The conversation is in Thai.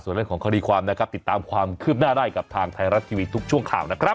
ส่วนเรื่องของคดีความนะครับติดตามความคืบหน้าได้กับทางไทยรัฐทีวีทุกช่วงข่าวนะครับ